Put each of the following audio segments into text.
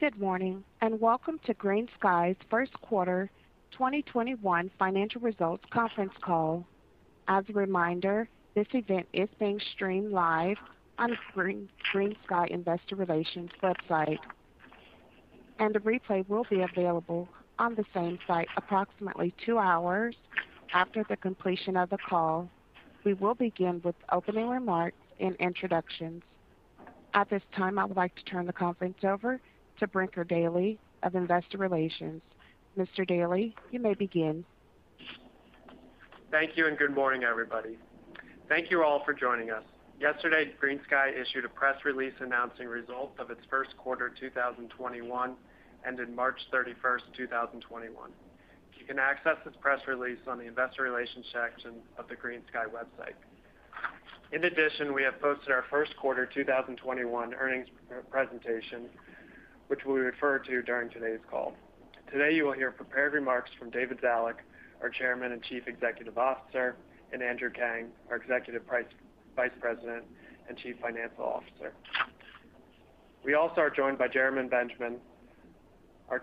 Good morning, and welcome to GreenSky's first quarter 2021 financial results conference call. As a reminder, this event is being streamed live on GreenSky investor relations website, and a replay will be available on the same site approximately two hours after the completion of the call. We will begin with opening remarks and introductions. At this time, I would like to turn the conference over to Brinker Dailey of Investor Relations. Mr. Dailey, you may begin. Thank you, and good morning, everybody. Thank you all for joining us. Yesterday, GreenSky issued a press release announcing results of its first quarter 2021, ending March 31st, 2021. You can access this press release on the investor relations section of the GreenSky website. In addition, we have posted our first quarter 2021 earnings presentation, which we'll refer to during today's call. Today, you will hear prepared remarks from David Zalik, our Chairman and Chief Executive Officer, and Andrew Kang, our Executive Vice President and Chief Financial Officer. We also are joined by Gerry Benjamin, our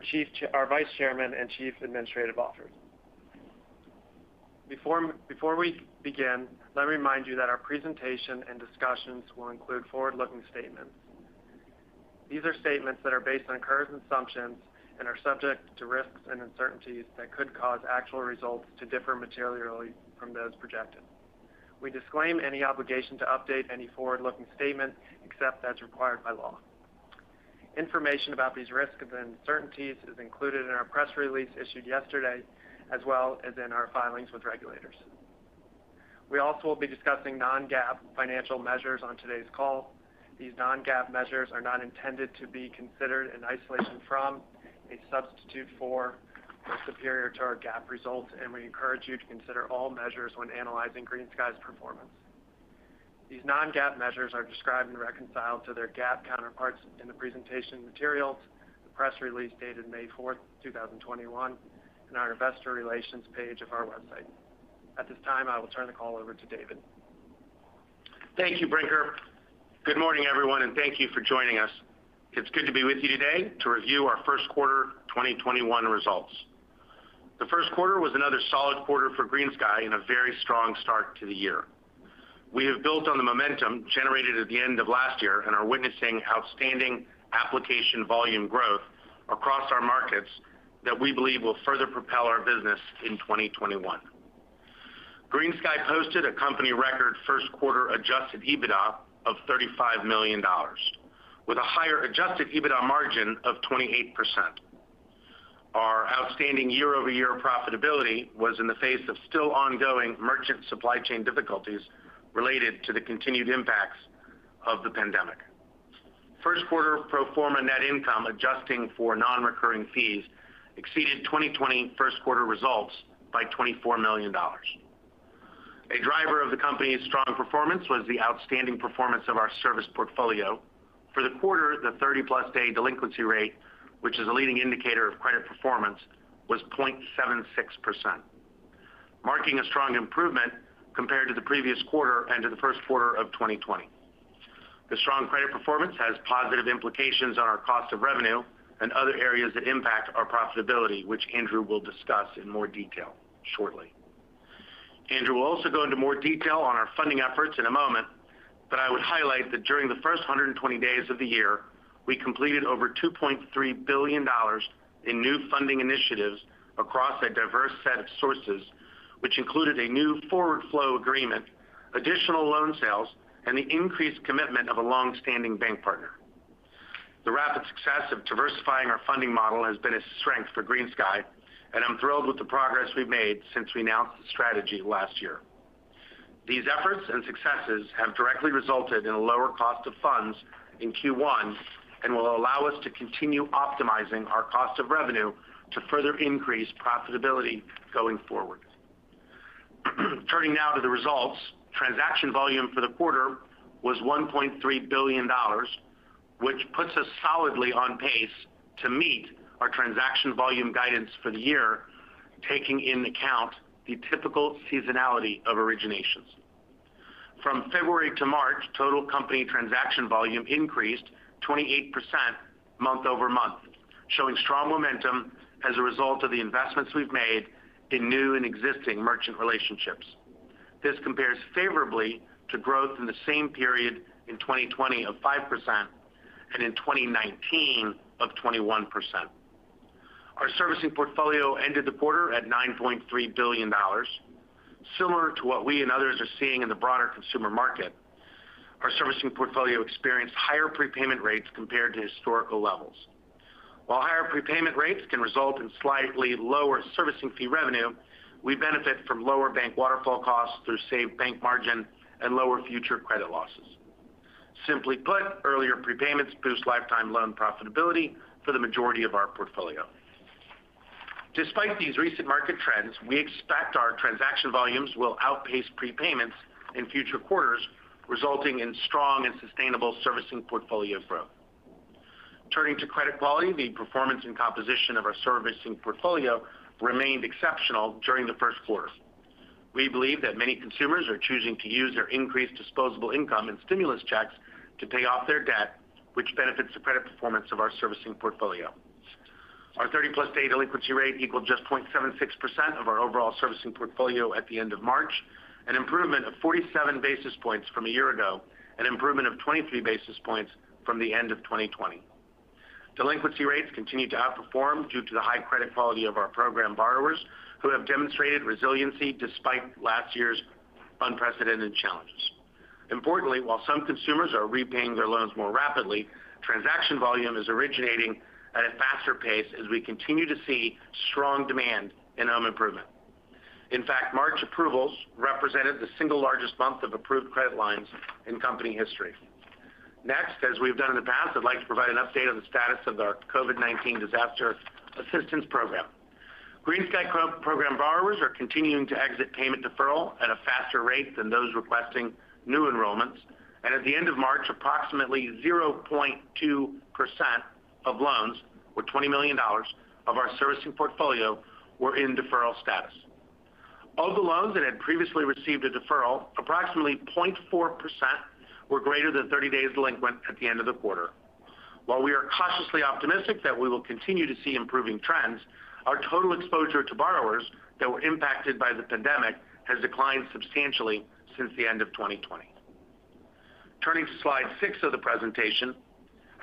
Vice Chairman and Chief Administrative Officer. Before we begin, let me remind you that our presentation and discussions will include forward-looking statements. These are statements that are based on current assumptions and are subject to risks and uncertainties that could cause actual results to differ materially from those projected. We disclaim any obligation to update any forward-looking statement except as required by law. Information about these risks and uncertainties is included in our press release issued yesterday, as well as in our filings with regulators. We also will be discussing non-GAAP financial measures on today's call. These non-GAAP measures are not intended to be considered in isolation from, a substitute for, or superior to our GAAP results, and we encourage you to consider all measures when analyzing GreenSky's performance. These non-GAAP measures are described and reconciled to their GAAP counterparts in the presentation materials, the press release dated May 4th, 2021, and our investor relations page of our website. At this time, I will turn the call over to David. Thank you, Brinker. Good morning, everyone, and thank you for joining us. It's good to be with you today to review our first quarter 2021 results. The first quarter was another solid quarter for GreenSky and a very strong start to the year. We have built on the momentum generated at the end of last year and are witnessing outstanding application volume growth across our markets that we believe will further propel our business in 2021. GreenSky posted a company record first quarter Adjusted EBITDA of $35 million, with a higher Adjusted EBITDA margin of 28%. Our outstanding YoY profitability was in the face of still ongoing merchant supply chain difficulties related to the continued impacts of the pandemic. First quarter pro forma net income, adjusting for non-recurring fees, exceeded 2020 first quarter results by $24 million. A driver of the company's strong performance was the outstanding performance of our service portfolio. For the quarter, the 30+ day delinquency rate, which is a leading indicator of credit performance, was 0.76%, marking a strong improvement compared to the previous quarter and to the first quarter of 2020. The strong credit performance has positive implications on our cost of revenue and other areas that impact our profitability, which Andrew will discuss in more detail shortly. Andrew will also go into more detail on our funding efforts in a moment, but I would highlight that during the first 120 days of the year, we completed over $2.3 billion in new funding initiatives across a diverse set of sources, which included a new forward flow agreement, additional loan sales, and the increased commitment of a long-standing bank partner. The rapid success of diversifying our funding model has been a strength for GreenSky, and I'm thrilled with the progress we've made since we announced the strategy last year. These efforts and successes have directly resulted in a lower cost of funds in Q1 and will allow us to continue optimizing our cost of revenue to further increase profitability going forward. Turning now to the results. Transaction volume for the quarter was $1.3 billion, which puts us solidly on pace to meet our transaction volume guidance for the year, taking into account the typical seasonality of originations. From February to March, total company transaction volume increased 28% month-over-month, showing strong momentum as a result of the investments we've made in new and existing merchant relationships. This compares favorably to growth in the same period in 2020 of 5% and in 2019 of 21%. Our servicing portfolio ended the quarter at $9.3 billion. Similar to what we and others are seeing in the broader consumer market, our servicing portfolio experienced higher prepayment rates compared to historical levels. While higher prepayment rates can result in slightly lower servicing fee revenue, we benefit from lower bank waterfall costs through saved bank margin and lower future credit losses. Simply put, earlier prepayments boost lifetime loan profitability for the majority of our portfolio. Despite these recent market trends, we expect our transaction volumes will outpace prepayments in future quarters, resulting in strong and sustainable servicing portfolio growth. Turning to credit quality, the performance and composition of our servicing portfolio remained exceptional during the first quarter. We believe that many consumers are choosing to use their increased disposable income and stimulus checks to pay off their debt, which benefits the credit performance of our servicing portfolio. Our 30+ day delinquency rate equaled just 0.76% of our overall servicing portfolio at the end of March, an improvement of 47 basis points from a year ago, an improvement of 23 basis points from the end of 2020. Delinquency rates continue to outperform due to the high credit quality of our program borrowers, who have demonstrated resiliency despite last year's unprecedented challenges. Importantly, while some consumers are repaying their loans more rapidly, transaction volume is originating at a faster pace as we continue to see strong demand in home improvement. In fact, March approvals represented the single largest month of approved credit lines in company history. Next, as we've done in the past, I'd like to provide an update on the status of our COVID-19 Disaster Assistance Program. GreenSky program borrowers are continuing to exit payment deferral at a faster rate than those requesting new enrollments. At the end of March, approximately 0.2% of loans, or $20 million of our servicing portfolio, were in deferral status. Of the loans that had previously received a deferral, approximately 0.4% were greater than 30 days delinquent at the end of the quarter. While we are cautiously optimistic that we will continue to see improving trends, our total exposure to borrowers that were impacted by the pandemic has declined substantially since the end of 2020. Turning to slide six of the presentation.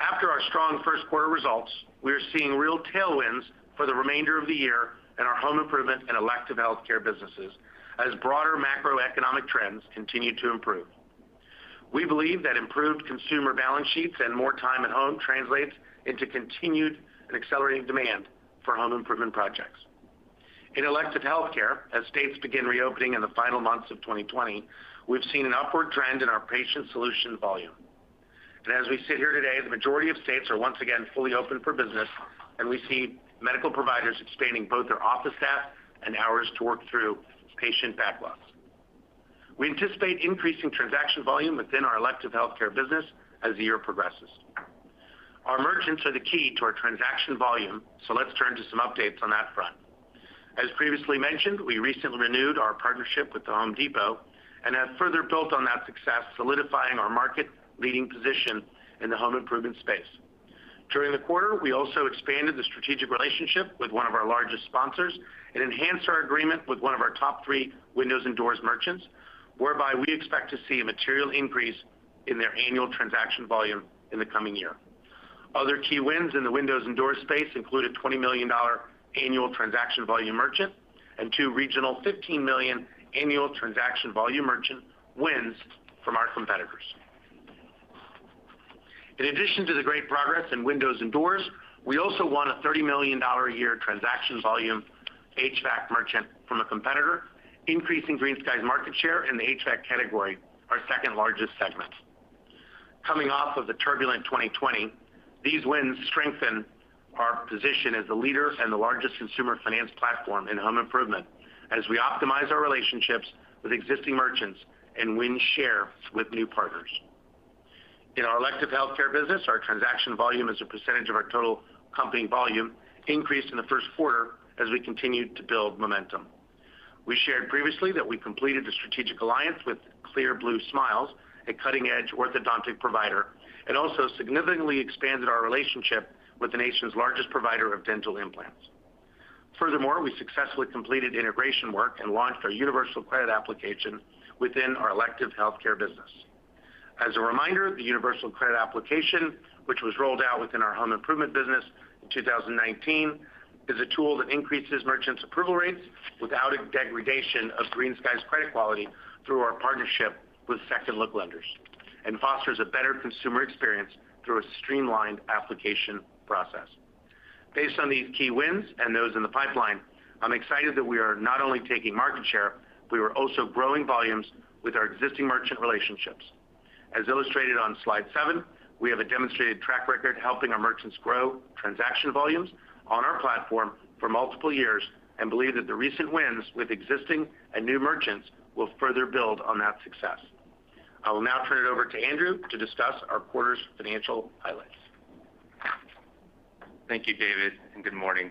After our strong first quarter results, we are seeing real tailwinds for the remainder of the year in our home improvement and elective healthcare businesses, as broader macroeconomic trends continue to improve. We believe that improved consumer balance sheets and more time at home translates into continued and accelerating demand for home improvement projects. In elective healthcare, as states begin reopening in the final months of 2020, we've seen an upward trend in our patient solution volume. As we sit here today, the majority of states are once again fully open for business, and we see medical providers expanding both their office staff and hours to work through patient backlogs. We anticipate increasing transaction volume within our elective healthcare business as the year progresses. Our merchants are the key to our transaction volume, so let's turn to some updates on that front. As previously mentioned, we recently renewed our partnership with The Home Depot and have further built on that success, solidifying our market-leading position in the home improvement space. During the quarter, we also expanded the strategic relationship with one of our largest sponsors and enhanced our agreement with one of our top three windows and doors merchants, whereby we expect to see a material increase in their annual transaction volume in the coming year. Other key wins in the windows and doors space include a $20 million annual transaction volume merchant and two regional $15 million annual transaction volume merchant wins from our competitors. In addition to the great progress in windows and doors, we also won a $30 million a year transaction volume HVAC merchant from a competitor, increasing GreenSky's market share in the HVAC category, our second-largest segment. Coming off of the turbulent 2020, these wins strengthen our position as the leader and the largest consumer finance platform in home improvement as we optimize our relationships with existing merchants and win share with new partners. In our elective healthcare business, our transaction volume as a percentage of our total company volume increased in the first quarter as we continued to build momentum. We shared previously that we completed the strategic alliance with Clear Blue Smiles, a cutting-edge orthodontic provider, and also significantly expanded our relationship with the nation's largest provider of dental implants. We successfully completed integration work and launched our Universal Credit Application within our elective healthcare business. As a reminder, the Universal Credit Application, which was rolled out within our home improvement business in 2019, is a tool that increases merchants' approval rates without a degradation of GreenSky's credit quality through our partnership with second look lenders and fosters a better consumer experience through a streamlined application process. Based on these key wins and those in the pipeline, I'm excited that we are not only taking market share, but we are also growing volumes with our existing merchant relationships. As illustrated on slide seven, we have a demonstrated track record helping our merchants grow transaction volumes on our platform for multiple years and believe that the recent wins with existing and new merchants will further build on that success. I will now turn it over to Andrew to discuss our quarter's financial highlights. Thank you, David, and good morning.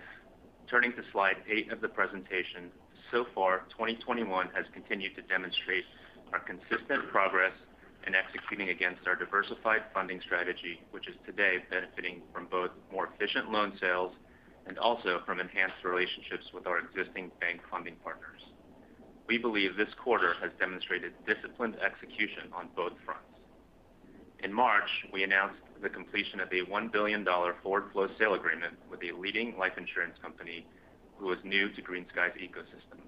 Turning to slide eight of the presentation. So far, 2021 has continued to demonstrate our consistent progress in executing against our diversified funding strategy, which is today benefiting from both more efficient loan sales and also from enhanced relationships with our existing bank funding partners. We believe this quarter has demonstrated disciplined execution on both fronts. In March, we announced the completion of a $1 billion forward flow sale agreement with a leading life insurance company who is new to GreenSky's ecosystem.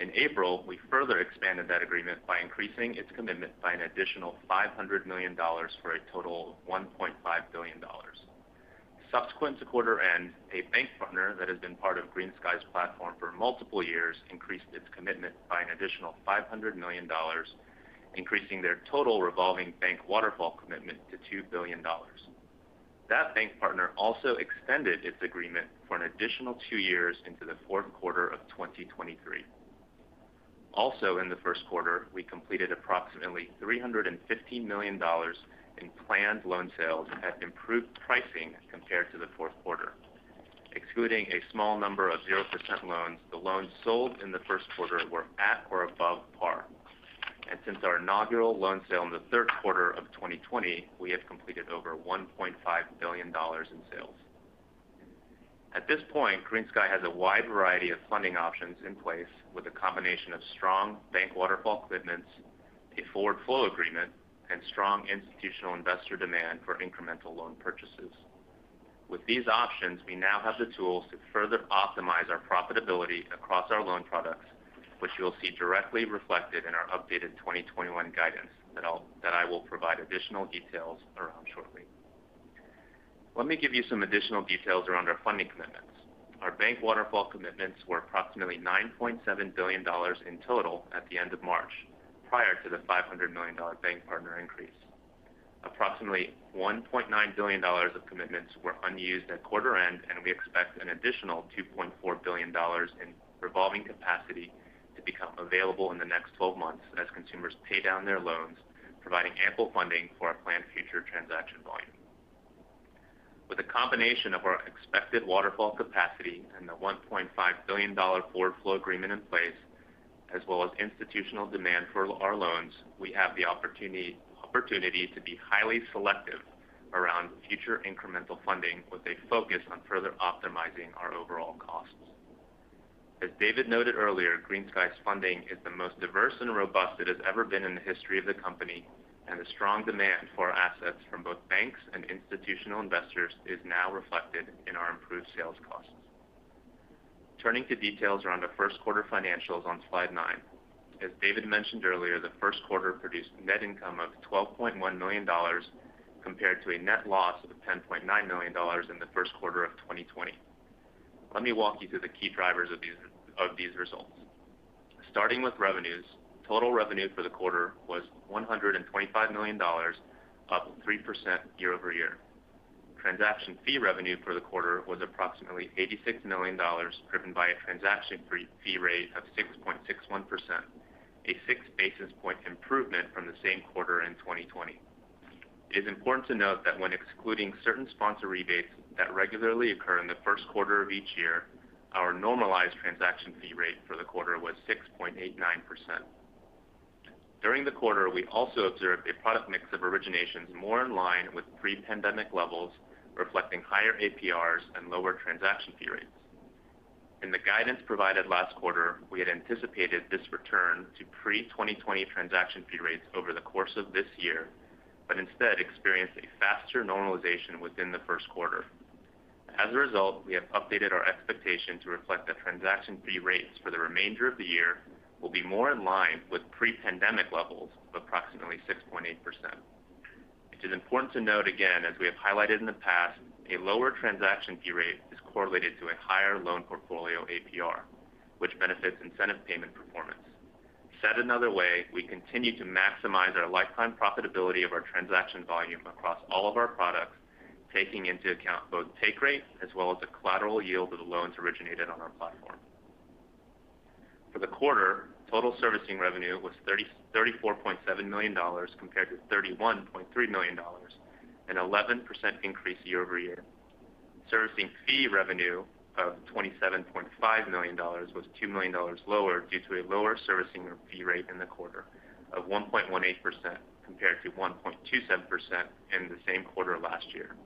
In April, we further expanded that agreement by increasing its commitment by an additional $500 million for a total of $1.5 billion. Subsequent to quarter end, a bank partner that has been part of GreenSky's platform for multiple years increased its commitment by an additional $500 million, increasing their total revolving bank waterfall commitment to $2 billion. That bank partner also extended its agreement for an additional two years into the fourth quarter of 2023. In the first quarter, we completed approximately $315 million in planned loan sales at improved pricing compared to the fourth quarter. Excluding a small number of 0% loans, the loans sold in the first quarter were at or above par. Since our inaugural loan sale in the third quarter of 2020, we have completed over $1.5 billion in sales. At this point, GreenSky has a wide variety of funding options in place, with a combination of strong bank waterfall commitments, a forward flow agreement, and strong institutional investor demand for incremental loan purchases. With these options, we now have the tools to further optimize our profitability across our loan products, which you will see directly reflected in our updated 2021 guidance that I will provide additional details around shortly. Let me give you some additional details around our funding commitments. Our bank waterfall commitments were approximately $9.7 billion in total at the end of March, prior to the $500 million bank partner increase. Approximately $1.9 billion of commitments were unused at quarter end, we expect an additional $2.4 billion in revolving capacity to become available in the next 12 months as consumers pay down their loans, providing ample funding for our planned future transaction volume. With a combination of our expected waterfall capacity and the $1.5 billion forward flow agreement in place, as well as institutional demand for our loans, we have the opportunity to be highly selective around future incremental funding with a focus on further optimizing our overall costs. As David noted earlier, GreenSky's funding is the most diverse and robust it has ever been in the history of the company, and the strong demand for our assets from both banks and institutional investors is now reflected in our improved sales costs. Turning to details around our first quarter financials on slide nine. As David mentioned earlier, the first quarter produced net income of $12.1 million, compared to a net loss of $10.9 million in the first quarter of 2020. Let me walk you through the key drivers of these results. Starting with revenues, total revenue for the quarter was $125 million, up 3% YoY. Transaction fee revenue for the quarter was approximately $86 million, driven by a transaction fee rate of 6.61%, a 6 basis-point improvement from the same quarter in 2020. It is important to note that when excluding certain sponsor rebates that regularly occur in the first quarter of each year, our normalized transaction fee rate for the quarter was 6.89%. During the quarter, we also observed a product mix of originations more in line with pre-pandemic levels, reflecting higher APRs and lower transaction fee rates. In the guidance provided last quarter, we had anticipated this return to pre-2020 transaction fee rates over the course of this year, but instead experienced a faster normalization within the first quarter. As a result, we have updated our expectation to reflect that transaction fee rates for the remainder of the year will be more in line with pre-pandemic levels of approximately 6.8%. It is important to note again, as we have highlighted in the past, a lower transaction fee rate is correlated to a higher loan portfolio APR, which benefits incentive payment performance. Said another way, we continue to maximize our lifetime profitability of our transaction volume across all of our products, taking into account both take rate as well as the collateral yield of the loans originated on our platform. For the quarter, total servicing revenue was $34.7 million, compared to $31.3 million, an 11% increase YoY. Servicing fee revenue of $27.5 million was $2 million lower due to a lower servicing fee rate in the quarter of 1.18%, compared to 1.27% in the same quarter last year.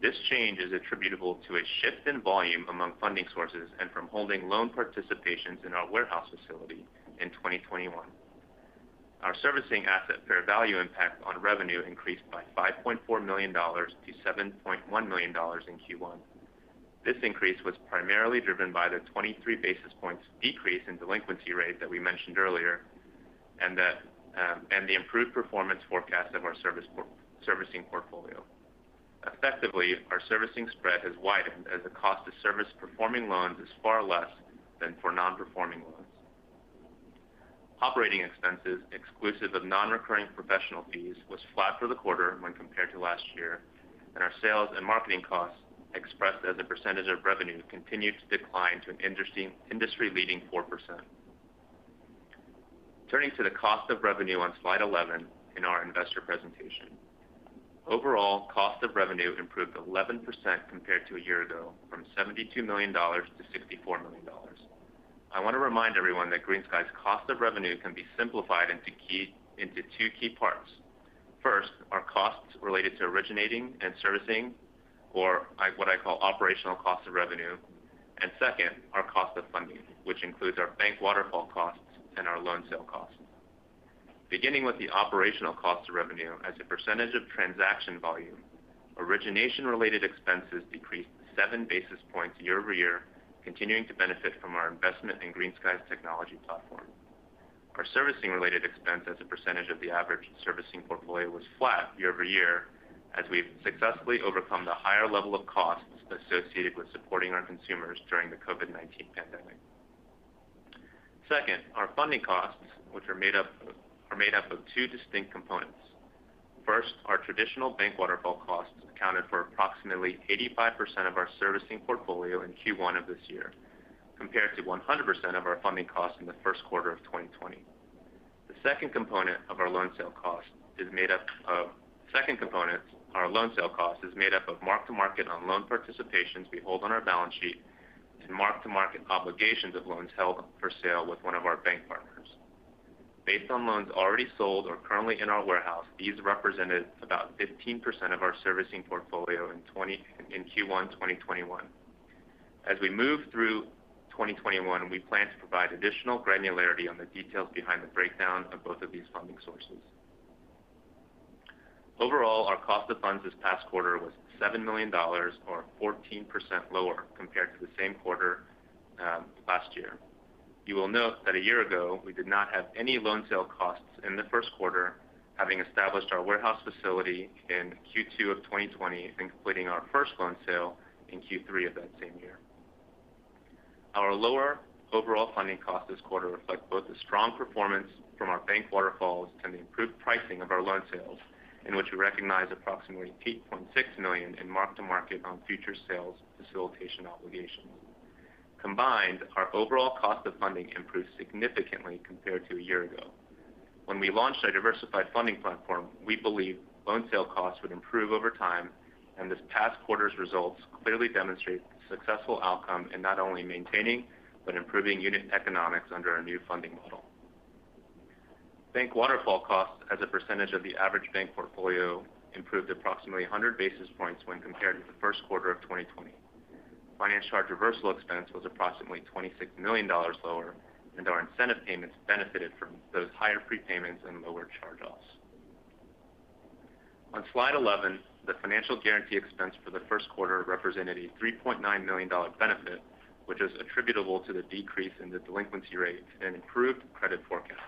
This change is attributable to a shift in volume among funding sources and from holding loan participations in our warehouse facility in 2021. Our servicing asset fair value impact on revenue increased by $5.4 million-$7.1 million in Q1. This increase was primarily driven by the 23 basis points decrease in delinquency rate that we mentioned earlier and the improved performance forecast of our servicing portfolio. Effectively, our servicing spread has widened as the cost to service performing loans is far less than for non-performing loans. Operating expenses, exclusive of non-recurring professional fees, was flat for the quarter when compared to last year, and our sales and marketing costs, expressed as a percentage of revenue, continued to decline to an industry-leading 4%. Turning to the cost of revenue on slide 11 in our investor presentation. Overall, cost of revenue improved 11% compared to a year ago, from $72 million-$64 million. I want to remind everyone that GreenSky's cost of revenue can be simplified into two key parts. First, our costs related to originating and servicing, or what I call operational cost of revenue. Second, our cost of funding, which includes our bank waterfall costs and our loan sale costs. Beginning with the operational cost of revenue as a percentage of transaction volume, origination-related expenses decreased 7 basis points YoY, continuing to benefit from our investment in GreenSky's technology platform. Our servicing-related expense as a percentage of the average servicing portfolio was flat YoY, as we've successfully overcome the higher level of costs associated with supporting our consumers during the COVID-19 pandemic. Second, our funding costs, which are made up of two distinct components. First, our traditional bank waterfall costs accounted for approximately 85% of our servicing portfolio in Q1 of this year, compared to 100% of our funding costs in the first quarter of 2020. The second component of our loan sale cost is made up of mark-to-market on loan participations we hold on our balance sheet and mark-to-market obligations of loans held for sale with one of our bank partners. Based on loans already sold or currently in our warehouse, these represented about 15% of our servicing portfolio in Q1 2021. As we move through 2021, we plan to provide additional granularity on the details behind the breakdown of both of these funding sources. Overall, our cost of funds this past quarter was $7 million, or 14% lower compared to the same quarter last year. You will note that a year ago, we did not have any loan sale costs in the first quarter, having established our warehouse facility in Q2 of 2020 and completing our first loan sale in Q3 of that same year. Our lower overall funding cost this quarter reflects both the strong performance from our bank waterfalls and the improved pricing of our loan sales, in which we recognize approximately $8.6 million in mark-to-market on future sales facilitation obligations. Combined, our overall cost of funding improved significantly compared to a year ago. When we launched our diversified funding platform, we believe loan sale costs would improve over time, and this past quarter's results clearly demonstrate the successful outcome in not only maintaining but improving unit economics under our new funding model. Bank waterfall costs as a percentage of the average bank portfolio improved approximately 100 basis points when compared to the first quarter of 2020. Finance charge reversal expense was approximately $26 million lower, and our incentive payments benefited from those higher prepayments and lower charge-offs. On slide 11, the financial guarantee expense for the first quarter represented a $3.9 million benefit, which is attributable to the decrease in the delinquency rate and improved credit forecast.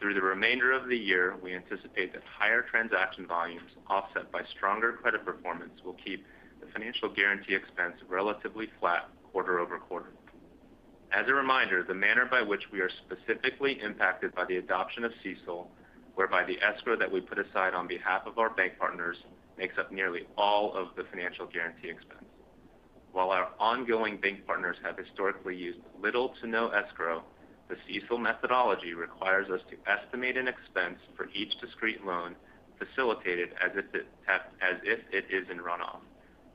Through the remainder of the year, we anticipate that higher transaction volumes offset by stronger credit performance will keep the financial guarantee expense relatively flat QoQ. As a reminder, the manner by which we are specifically impacted by the adoption of CECL, whereby the escrow that we put aside on behalf of our bank partners makes up nearly all of the financial guarantee expense. While our ongoing bank partners have historically used little to no escrow, the CECL methodology requires us to estimate an expense for each discrete loan facilitated as if it is in runoff,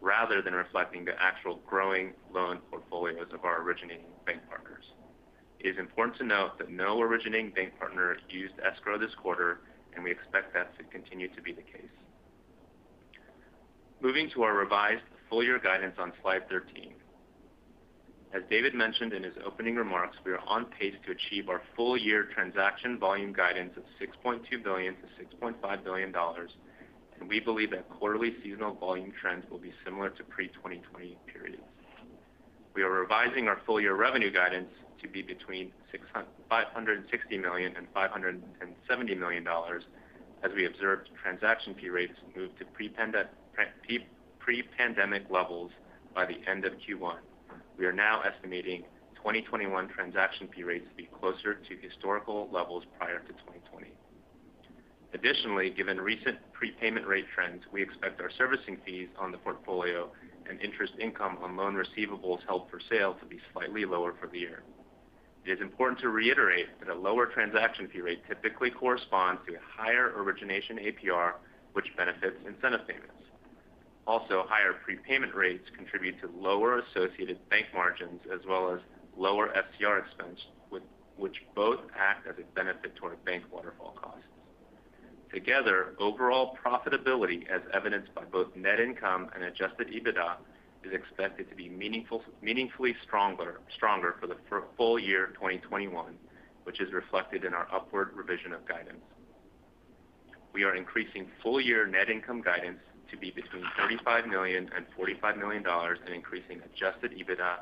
rather than reflecting the actual growing loan portfolios of our originating bank partners. It is important to note that no originating bank partners used escrow this quarter, and we expect that to continue to be the case. Moving to our revised full-year guidance on slide 13. As David mentioned in his opening remarks, we are on pace to achieve our full-year transaction volume guidance of $6.2 billion-$6.5 billion, and we believe that quarterly seasonal volume trends will be similar to pre-2020 periods. We are revising our full-year revenue guidance to be between $560 million and $570 million, as we observed transaction fee rates move to pre-pandemic levels by the end of Q1. We are now estimating 2021 transaction fee rates to be closer to historical levels prior to 2020. Additionally, given recent prepayment rate trends, we expect our servicing fees on the portfolio and interest income on loan receivables held for sale to be slightly lower for the year. It is important to reiterate that a lower transaction fee rate typically corresponds to a higher origination APR, which benefits incentive payments. Also, higher prepayment rates contribute to lower associated bank margins as well as lower FCR expense, which both act as a benefit to our bank waterfall costs. Together, overall profitability, as evidenced by both net income and Adjusted EBITDA, is expected to be meaningfully stronger for the full year 2021, which is reflected in our upward revision of guidance. We are increasing full-year net income guidance to be between $35 million and $45 million and increasing Adjusted EBITDA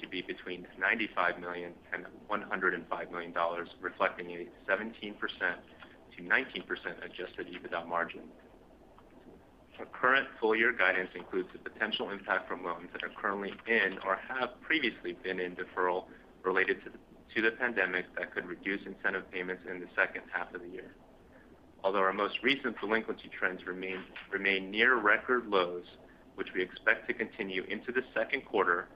to be between $95 million and $105 million, reflecting a 17%-19% Adjusted EBITDA margin. Our current full-year guidance includes the potential impact from loans that are currently in or have previously been in deferral related to the pandemic that could reduce incentive payments in the second half of the year. Although our most recent delinquency trends remain near record lows, which we expect to continue into the second quarter,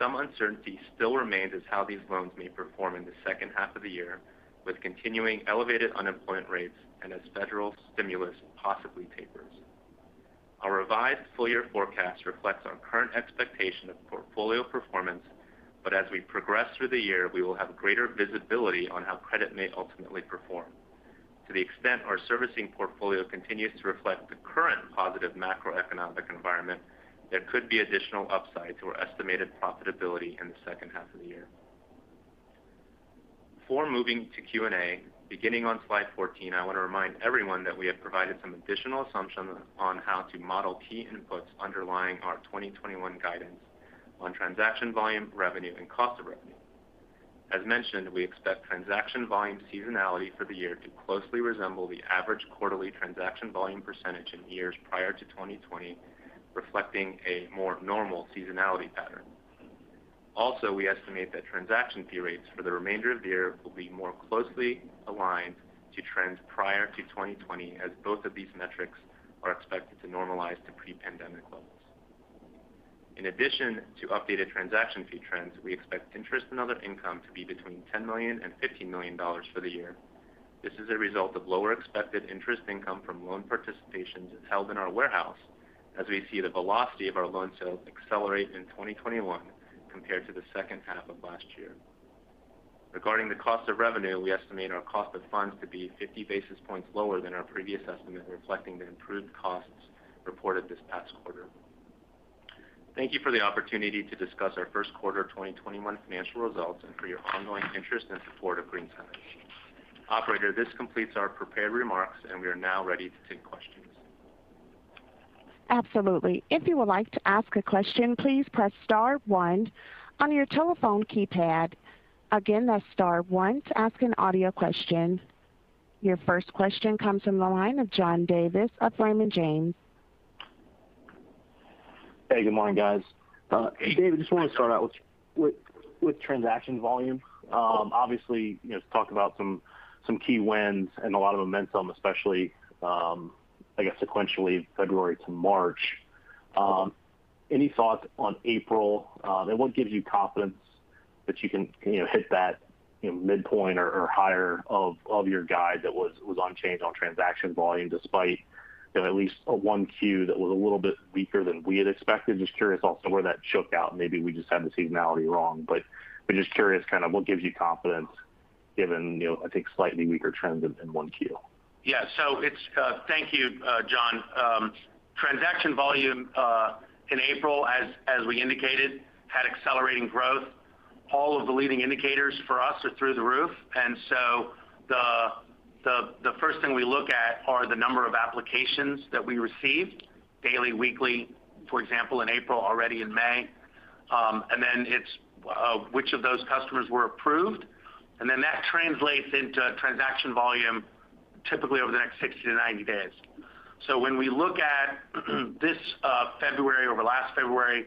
some uncertainty still remains as how these loans may perform in the second half of the year with continuing elevated unemployment rates and as federal stimulus possibly tapers. Our revised full-year forecast reflects our current expectation of portfolio performance, but as we progress through the year, we will have greater visibility on how credit may ultimately perform. To the extent our servicing portfolio continues to reflect the current positive macroeconomic environment, there could be additional upside to our estimated profitability in the second half of the year. Before moving to Q&A, beginning on slide 14, I want to remind everyone that we have provided some additional assumptions on how to model key inputs underlying our 2021 guidance on transaction volume, revenue, and cost of revenue. As mentioned, we expect transaction volume seasonality for the year to closely resemble the average quarterly transaction volume percentage in years prior to 2020, reflecting a more normal seasonality pattern. We estimate that transaction fee rates for the remainder of the year will be more closely aligned to trends prior to 2020, as both of these metrics are expected to normalize to pre-pandemic levels. In addition to updated transaction fee trends, we expect interest in other income to be between $10 million and $15 million for the year. This is a result of lower expected interest income from loan participations held in our warehouse, as we see the velocity of our loan sales accelerate in 2021 compared to the second half of last year. Regarding the cost of revenue, we estimate our cost of funds to be 50 basis points lower than our previous estimate, reflecting the improved costs reported this past quarter. Thank you for the opportunity to discuss our first quarter 2021 financial results and for your ongoing interest and support of GreenSky. Operator, this completes our prepared remarks, and we are now ready to take questions. Absolutely. If you would like to ask a question, please press star one on your telephone keypad. Again that's star one to ask an audio question. Your first question comes from the line of John Davis of Raymond James. Hey, good morning, guys. David, just want to start out with transaction volume. Obviously, talked about some key wins and a lot of momentum, especially, I guess, sequentially February to March. Any thoughts on April? What gives you confidence that you can hit that midpoint or higher of your guide that was unchanged on transaction volume despite at least 1Q that was a little bit weaker than we had expected? Just curious also where that shook out, and maybe we just had the seasonality wrong, but just curious, what gives you confidence given, I think, slightly weaker trends in 1Q? Yeah. Thank you, John. Transaction volume, in April, as we indicated, had accelerating growth. All of the leading indicators for us are through the roof. The first thing we look at are the number of applications that we received daily, weekly, for example, in April, already in May. It's which of those customers were approved. That translates into transaction volume typically over the next 60-90 days. When we look at this February over last February,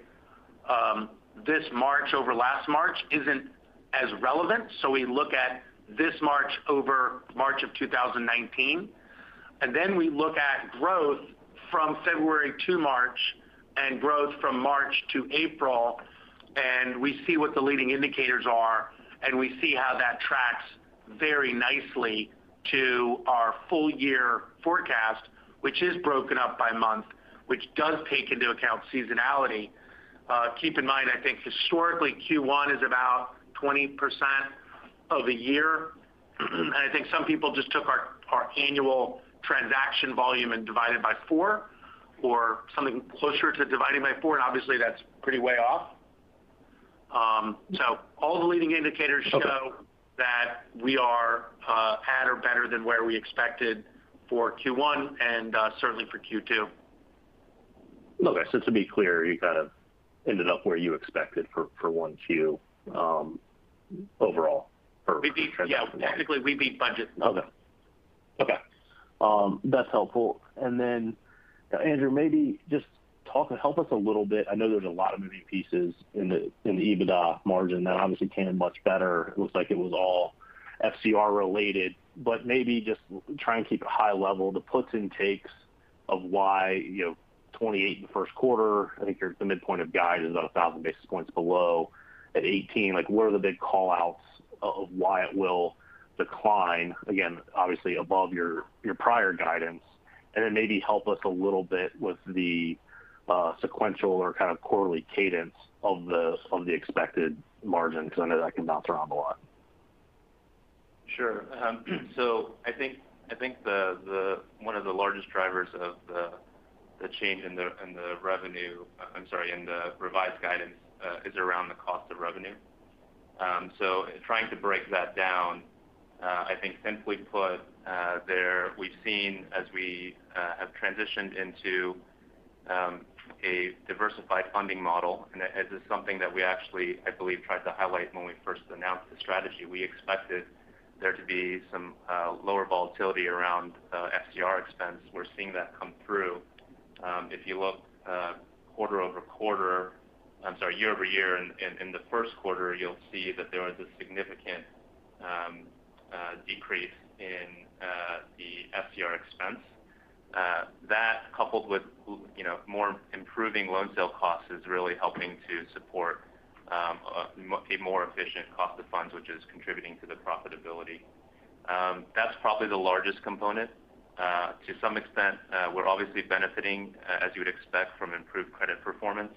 this March over last March isn't as relevant. We look at this March over March of 2019, and then we look at growth from February to March and growth from March to April. We see what the leading indicators are, and we see how that tracks very nicely to our full year forecast, which is broken up by month, which does take into account seasonality. Keep in mind, I think historically, Q1 is about 20% of a year, and I think some people just took our annual transaction volume and divided by four or something closer to dividing by four, and obviously, that's pretty way off. All the leading indicators- Okay. Show that we are at or better than where we expected for Q1 and certainly for Q2. Okay. To be clear, you kind of ended up where you expected for 1Q overall? We beat- Transaction. Yeah. Technically, we beat budget. Okay. That's helpful. Andrew, maybe just help us a little bit. I know there's a lot of moving pieces in the EBITDA margin that obviously came in much better. It looks like it was all FCR-related, maybe just try and keep it high level, the puts and takes of why 28% in the first quarter, I think the midpoint of guide is about 1,000 basis points below at 18%. What are the big call-outs of why it will decline, again, obviously above your prior guidance? Maybe help us a little bit with the sequential or kind of quarterly cadence of the expected margin, because I know that can bounce around a lot. Sure. I think one of the largest drivers of the change in the revised guidance, is around the cost of revenue. Trying to break that down, I think simply put, we've seen as we have transitioned into a diversified funding model, and this is something that we actually, I believe, tried to highlight when we first announced the strategy. We expected there to be some lower volatility around FCR expense. We're seeing that come through. If you look YoY in the first quarter, you'll see that there was a significant decrease in the FCR expense. That, coupled with more improving loan sale costs, is really helping to support a more efficient cost of funds, which is contributing to the profitability. That's probably the largest component. To some extent, we're obviously benefiting, as you would expect, from improved credit performance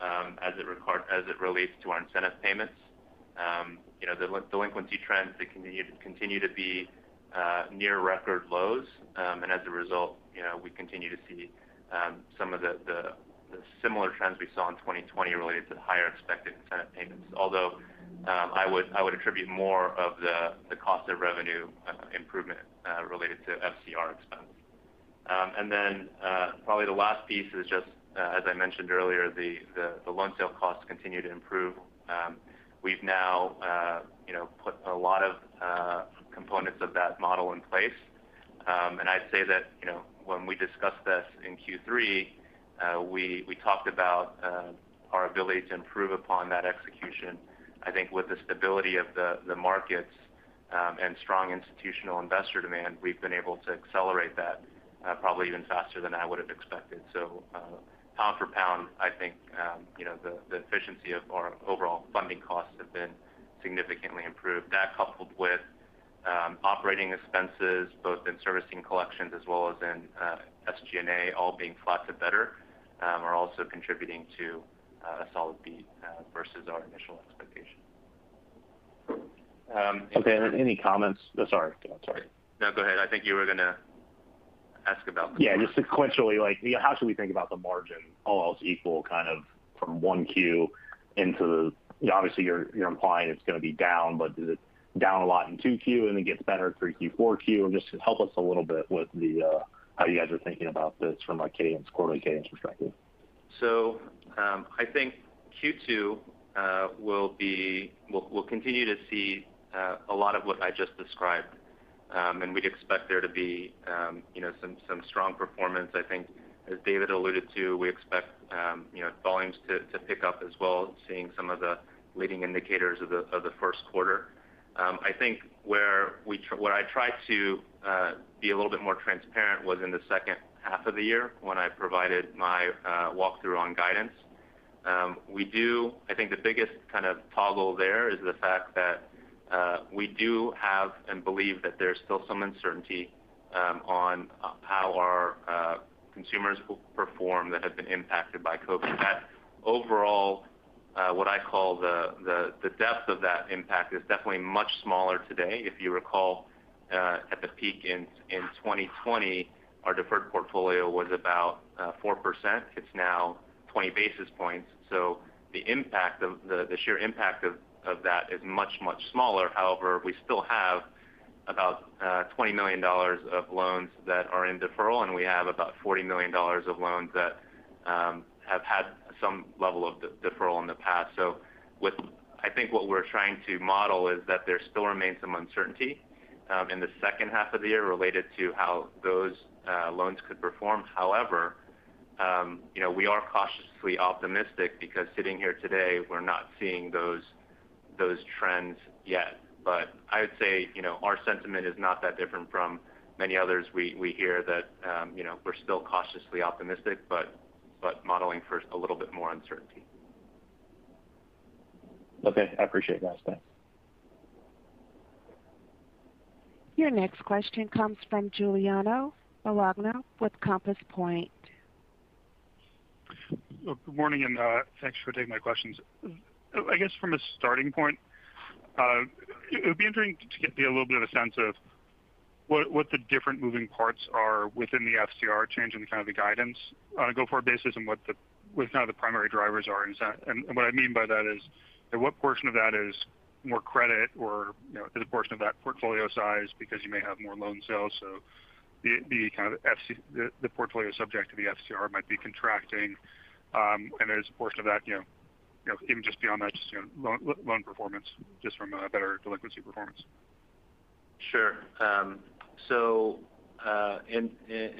as it relates to our incentive payments. The delinquency trends continue to be near record lows. As a result, we continue to see some of the similar trends we saw in 2020 related to the higher expected incentive payments. I would attribute more of the cost of revenue improvement related to FCR expense. Probably the last piece is just, as I mentioned earlier, the loan sale costs continue to improve. We've now put a lot of components of that model in place. I'd say that, when we discused that in Q3, we talked about our ability to improve upon that execution. I think with the stability of the markets and strong institutional investor demand, we've been able to accelerate that probably even faster than I would've expected. Pound for pound, I think the efficiency of our overall funding costs have been significantly improved. That, coupled with operating expenses, both in servicing collections as well as in SG&A all being flat to better, are also contributing to a solid beat versus our initial expectation. Okay. Any comments— Oh, sorry. Go ahead. No, go ahead. I think you were going to ask about the margin. Yeah. Just sequentially, how should we think about the margin, all else equal from 1Q? Obviously, you're implying it's going to be down, but is it down a lot in 2Q and it gets better 3Q, 4Q? Just help us a little bit with how you guys are thinking about this from a quarterly cadence perspective. I think Q2 we'll continue to see a lot of what I just described. We'd expect there to be some strong performance. I think, as David alluded to, we expect volumes to pick up as well, seeing some of the leading indicators of the first quarter. I think where I tried to be a little bit more transparent was in the second half of the year, when I provided my walkthrough on guidance. I think the biggest kind of toggle there is the fact that we do have and believe that there's still some uncertainty on how our consumers will perform that have been impacted by COVID. That overall, what I call the depth of that impact, is definitely much smaller today. If you recall, at the peak in 2020, our deferred portfolio was about 4%. It's now 20 basis points. The sheer impact of that is much, much smaller. However, we still have about $20 million of loans that are in deferral, and we have about $40 million of loans that have had some level of deferral in the past. I think what we're trying to model is that there still remains some uncertainty in the second half of the year related to how those loans could perform. However, we are cautiously optimistic because sitting here today, we're not seeing those trends yet. I would say our sentiment is not that different from many others we hear that we're still cautiously optimistic, but modeling for a little bit more uncertainty. Okay. I appreciate that. Thanks. Your next question comes from Giuliano Bologna with Compass Point. Good morning, and thanks for taking my questions. I guess from a starting point, it would be interesting to get a little bit of a sense of what the different moving parts are within the FCR change and the kind of the guidance on a go-forward basis and what now the primary drivers are. What I mean by that is what portion of that is more credit or is a portion of that portfolio size because you may have more loan sales? The portfolio subject to the FCR might be contracting, and there's a portion of that even just beyond that, loan performance, from a better delinquency performance. Sure.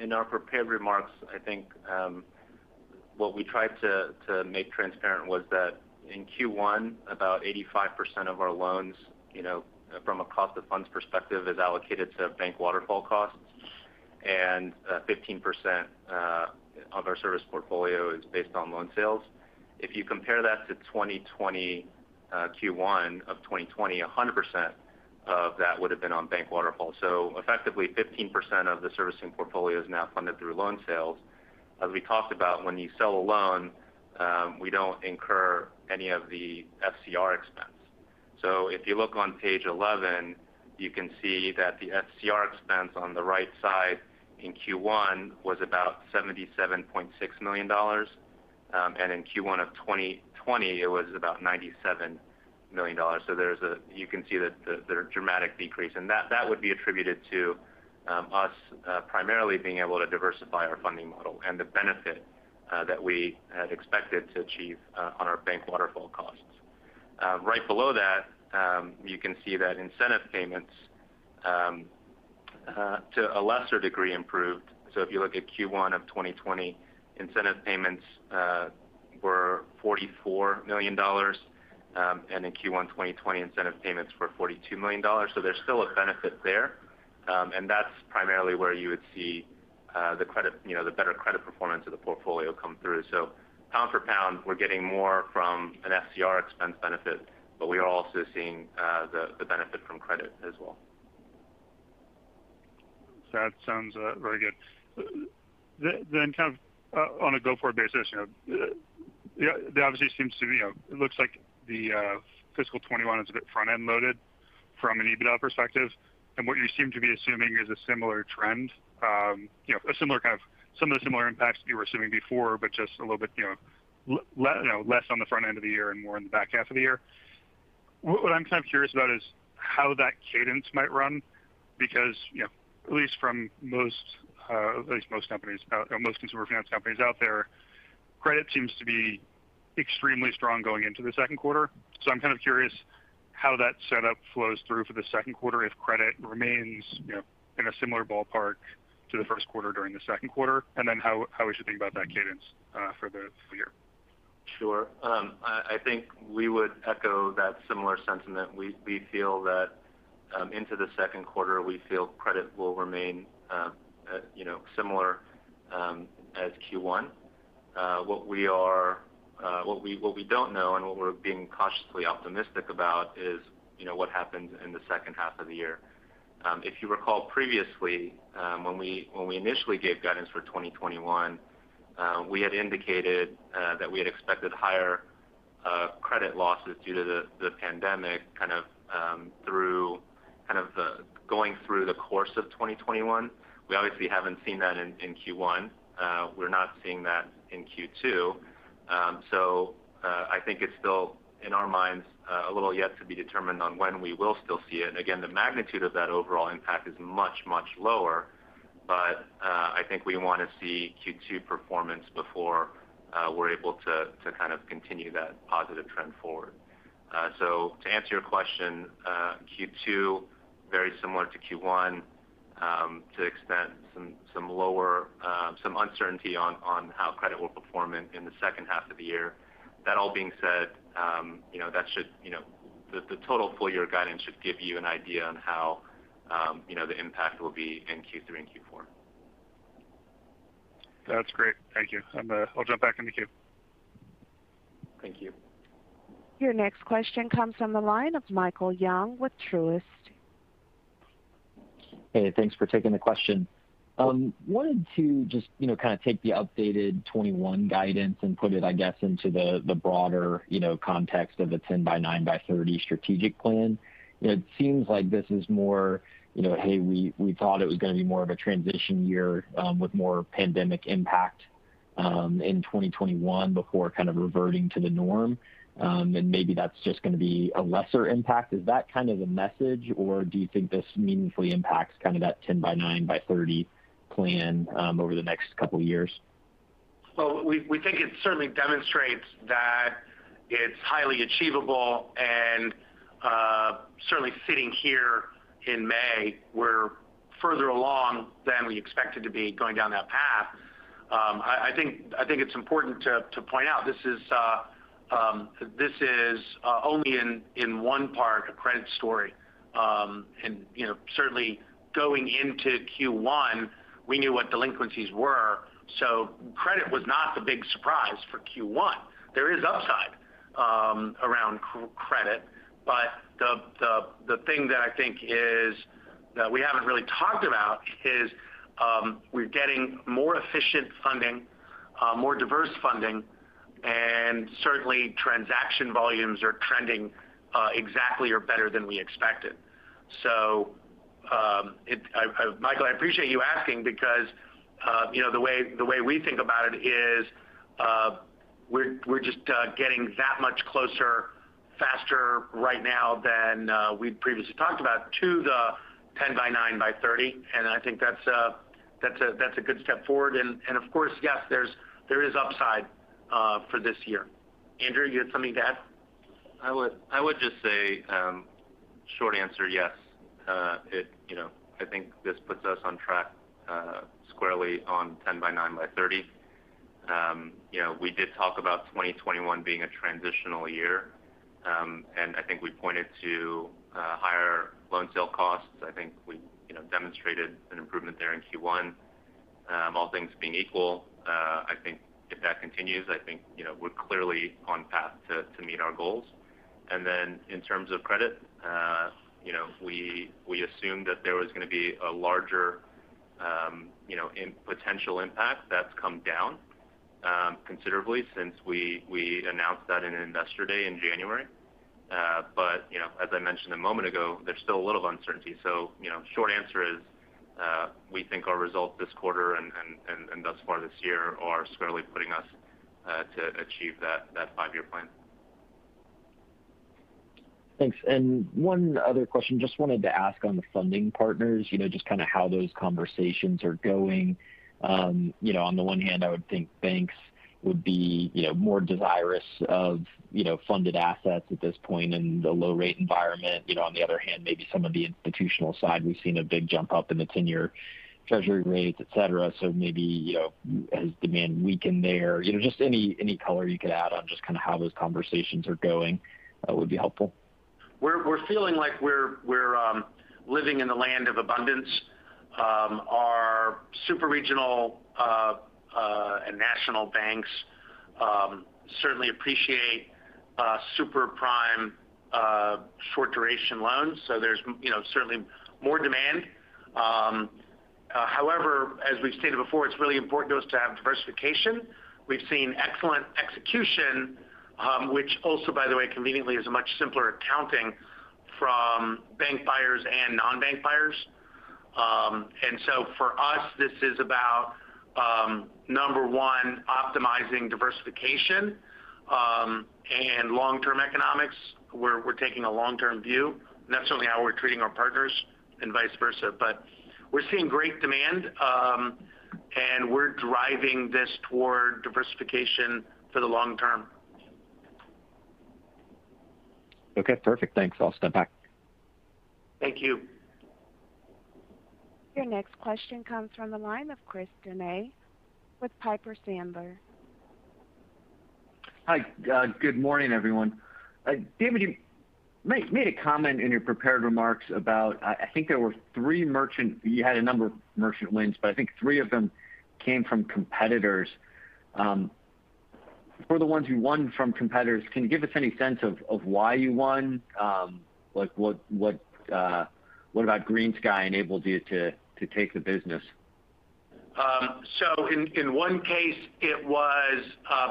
In our prepared remarks, I think what we tried to make transparent was that in Q1, about 85% of our loans from a cost of funds perspective is allocated to bank waterfall costs, and 15% of our servicing portfolio is based on loan sales. If you compare that to Q1 of 2020, 100% of that would've been on bank waterfall. Effectively, 15% of the servicing portfolio is now funded through loan sales. As we talked about, when you sell a loan, we don't incur any of the FCR expense. If you look on page 11, you can see that the FCR expense on the right side in Q1 was about $77.6 million. In Q1 of 2020, it was about $97 million. You can see there a dramatic decrease, and that would be attributed to us primarily being able to diversify our funding model and the benefit that we had expected to achieve on our bank waterfall costs. Right below that, you can see that incentive payments to a lesser degree improved. If you look at Q1 of 2020, incentive payments were $44 million. In Q1 2020, incentive payments were $42 million. There's still a benefit there. That's primarily where you would see the better credit performance of the portfolio come through. Pound for pound, we're getting more from an FCR expense benefit, but we are also seeing the benefit from credit as well. That sounds very good. Kind of on a go-forward basis, there obviously seems to be, it looks like the fiscal 2021 is a bit front-end loaded from an EBITDA perspective, and what you seem to be assuming is a similar trend. Some of the similar impacts that you were assuming before, but just a little bit less on the front end of the year and more in the back half of the year. What I'm kind of curious about is how that cadence might run, because at least for most consumer finance companies out there, credit seems to be extremely strong going into the second quarter. I'm kind of curious how that setup flows through for the second quarter, if credit remains in a similar ballpark to the first quarter during the second quarter, and then how we should think about that cadence for the full year. I think we would echo that similar sentiment. We feel that into the second quarter, we feel credit will remain similar as Q1. What we don't know and what we're being cautiously optimistic about is what happens in the second half of the year. If you recall previously, when we initially gave guidance for 2021, we had indicated that we had expected higher credit losses due to the pandemic going through the course of 2021. We obviously haven't seen that in Q1. We're not seeing that in Q2. I think it's still, in our minds, a little yet to be determined on when we will still see it. Again, the magnitude of that overall impact is much, much lower, but I think we want to see Q2 performance before we're able to kind of continue that positive trend forward. To answer your question, Q2, very similar to Q1, to extent some uncertainty on how credit will perform in the second half of the year. That all being said, the total full-year guidance should give you an idea on how the impact will be in Q3 and Q4. That's great. Thank you. I'll jump back in the queue. Thank you. Your next question comes from the line of Michael Young with Truist. Hey, thanks for taking the question. Wanted to just kind of take the updated 2021 guidance and put it, I guess, into the broader context of the 10 by nine by 30 strategic plan. It seems like this is more, "Hey, we thought it was going to be more of a transition year with more pandemic impact in 2021 before kind of reverting to the norm," and maybe that's just going to be a lesser impact. Is that kind of the message, or do you think this meaningfully impacts kind of that 10 by nine by 30 plan over the next couple of years? We think it certainly demonstrates that it's highly achievable and certainly sitting here in May, we're further along than we expected to be going down that path. I think it's important to point out this is only in one part a credit story. Certainly going into Q1, we knew what delinquencies were. Credit was not the big surprise for Q1. There is upside around credit. The thing that I think that we haven't really talked about is we're getting more efficient funding, more diverse funding, and certainly transaction volumes are trending exactly or better than we expected. Michael, I appreciate you asking because the way we think about it is we're just getting that much closer faster right now than we'd previously talked about to the 10 by nine by 30, and I think that's a good step forward. Of course, yes, there is upside for this year. Andrew, you had something to add? I would just say, short answer, yes. I think this puts us on track squarely on 10 by nine by 30. We did talk about 2021 being a transitional year, and I think we pointed to higher loan sale costs. I think we demonstrated an improvement there in Q1. All things being equal, I think if that continues, I think we're clearly on path to meet our goals. Then in terms of credit, we assumed that there was going to be a larger potential impact. That's come down considerably since we announced that in Investor Day in January. As I mentioned a moment ago, there's still a little uncertainty. Short answer is we think our results this quarter and thus far this year are squarely putting us to achieve that five-year plan. Thanks. One other question, just wanted to ask on the funding partners, just kind of how those conversations are going. On the one hand, I would think banks would be more desirous of funded assets at this point in the low-rate environment. On the other hand, maybe some of the institutional side, we've seen a big jump up in the 10-year Treasury rates, et cetera. Maybe has demand weakened there? Just any color you could add on just kind of how those conversations are going would be helpful. We're feeling like we're living in the land of abundance. Our super regional and national banks certainly appreciate super prime short-duration loans. There's certainly more demand. However, as we've stated before, it's really important to us to have diversification. We've seen excellent execution which also, by the way, conveniently is much simpler accounting from bank buyers and non-bank buyers. For us, this is about number one, optimizing diversification and long-term economics. We're taking a long-term view, and that's certainly how we're treating our partners and vice versa. We're seeing great demand, and we're driving this toward diversification for the long term. Okay, perfect. Thanks. I'll step back. Thank you. Your next question comes from the line of Chris Donat with Piper Sandler. Hi. Good morning, everyone. David, you made a comment in your prepared remarks about, you had a number of merchant wins, but I think three of them came from competitors. For the ones you won from competitors, can you give us any sense of why you won? What about GreenSky enabled you to take the business? In one case it was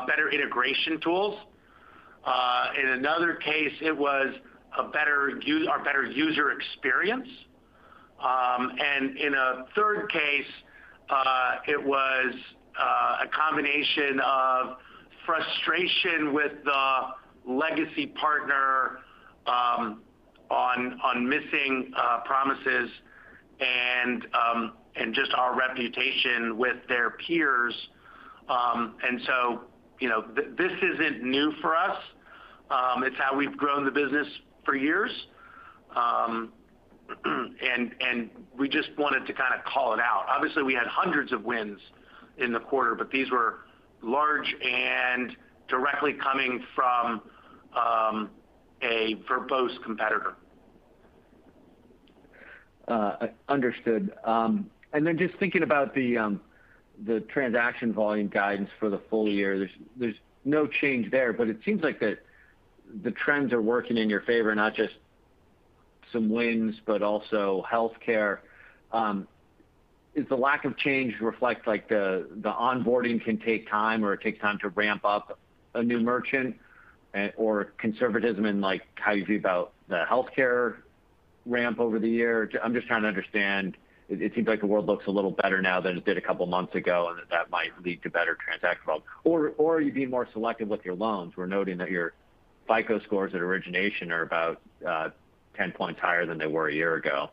better integration tools. In another case, it was our better user experience. In a third case, it was a combination of frustration with the legacy partner on missing promises and just our reputation with their peers. This isn't new for us. It's how we've grown the business for years. We just wanted to call it out. Obviously, we had hundreds of wins in the quarter, but these were large and directly coming from a verbose competitor. Understood. Just thinking about the transaction volume guidance for the full year. There's no change there, but it seems like the trends are working in your favor, not just some wins, but also healthcare. Is the lack of change reflect like the onboarding can take time or it takes time to ramp up a new merchant? Conservatism in how you feel about the healthcare ramp over the year? I'm just trying to understand. It seems like the world looks a little better now than it did a couple of months ago, and that that might lead to better transaction volume. Are you being more selective with your loans? We're noting that your FICO scores at origination are about 10 points higher than they were a year ago.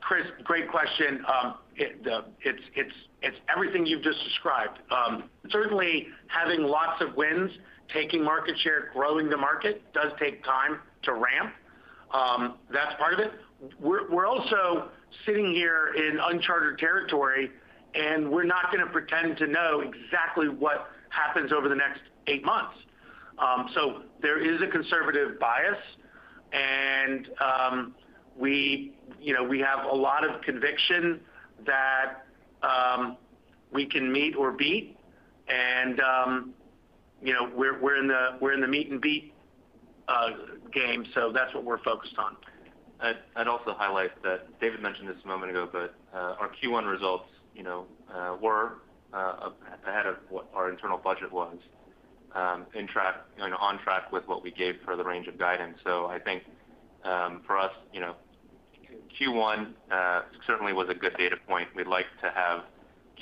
Chris, great question. It's everything you've just described. Certainly having lots of wins, taking market share, growing the market does take time to ramp. That's part of it. We're also sitting here in uncharted territory, and we're not going to pretend to know exactly what happens over the next eight months. There is a conservative bias and we have a lot of conviction that we can meet or beat and we're in the meet and beat game. That's what we're focused on. I'd also highlight that David mentioned this a moment ago, but our Q1 results were ahead of what our internal budget was, on track with what we gave for the range of guidance. I think for us Q1 certainly was a good data point. We'd like to have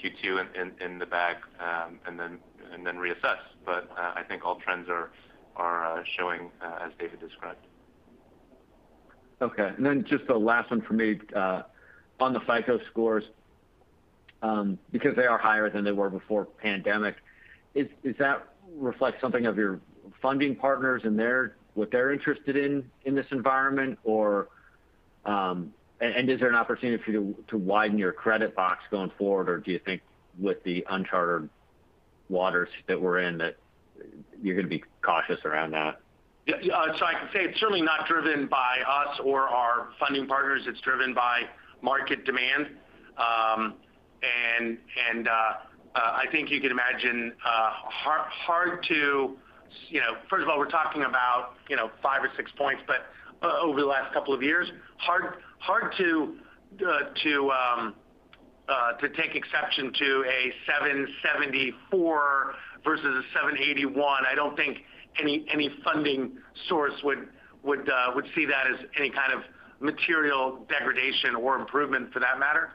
Q2 in the bag and then reassess. I think all trends are showing as David described. Okay, just the last one from me. On the FICO scores because they are higher than they were before pandemic, does that reflect something of your funding partners and what they're interested in in this environment? Is there an opportunity for you to widen your credit box going forward, or do you think with the uncharted waters that we're in that you're going to be cautious around that? Yeah. I can say it's certainly not driven by us or our funding partners. It's driven by market demand. I think you can imagine, first of all, we're talking about five or six points, but over the last couple of years, hard to take exception to a 774 versus a 781. I don't think any funding source would see that as any kind of material degradation or improvement for that matter.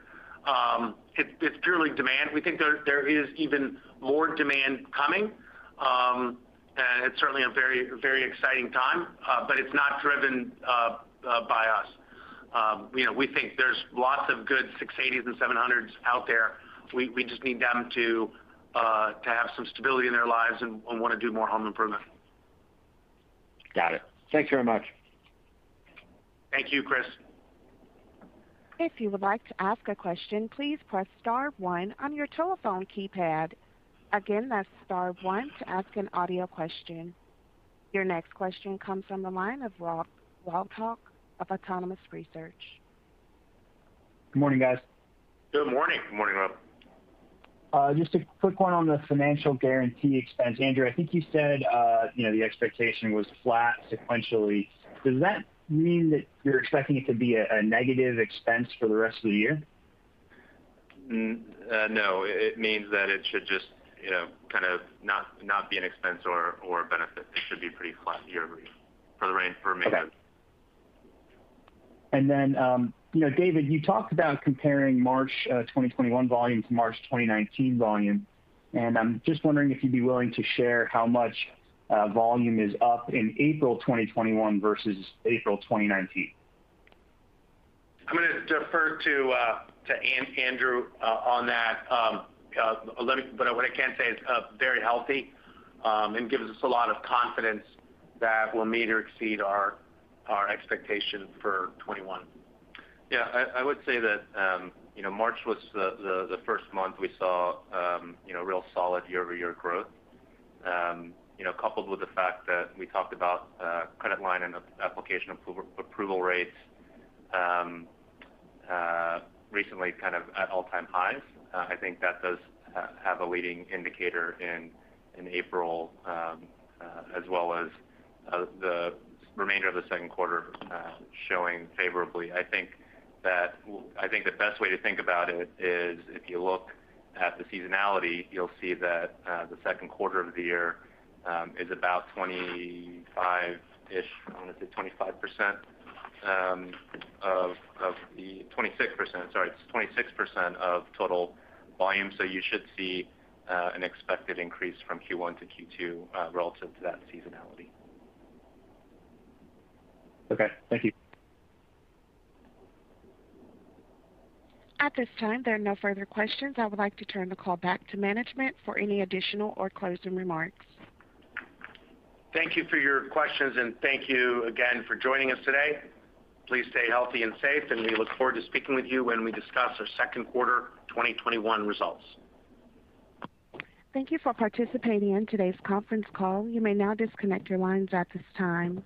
It's purely demand. We think there is even more demand coming. It's certainly a very exciting time. It's not driven by us. We think there's lots of good 680s and 700s out there. We just need them to have some stability in their lives and want to do more home improvement. Got it. Thank you very much. Thank you, Chris. If you would like to ask a question, please press star one on your telephone keypad. Again, that's star one to ask an audio question. Your next question comes from the line of Rob Wildhack of Autonomous Research. Good morning, guys. Good morning. Good morning, Rob. Just a quick one on the financial guarantee expense. Andrew, I think you said the expectation was flat sequentially. Does that mean that you're expecting it to be a negative expense for the rest of the year? No. It means that it should just kind of not be an expense or a benefit. It should be pretty flat YoY for a maintenance. Okay. David, you talked about comparing March 2021 volume to March 2019 volume, and I'm just wondering if you'd be willing to share how much volume is up in April 2021 versus April 2019. I'm going to defer to Andrew on that. What I can say it's very healthy and gives us a lot of confidence that we'll meet or exceed our expectation for 2021. I would say that March was the first month we saw real solid YoY growth. Coupled with the fact that we talked about credit line and application approval rates recently kind of at all time highs. I think that does have a leading indicator in April as well as the remainder of the second quarter showing favorably. I think the best way to think about it is if you look at the seasonality, you'll see that the second quarter of the year is about 25%-ish. I want to say 25%. 26%, sorry. It's 26% of total volume. You should see an expected increase from Q1-Q2 relative to that seasonality. Okay. Thank you. At this time, there are no further questions. I would like to turn the call back to management for any additional or closing remarks. Thank you for your questions and thank you again for joining us today. Please stay healthy and safe, and we look forward to speaking with you when we discuss our second quarter 2021 results. Thank you for participating in today's conference call. You may now disconnect your lines at this time.